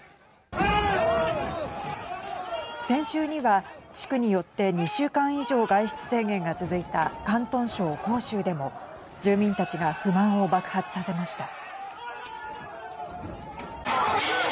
先週には、地区によって２週間以上、外出制限が続いた広東省広州でも住民たちが不安を爆発させました。